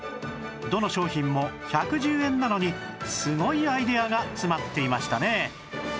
どの商品も１１０円なのにすごいアイデアが詰まっていましたね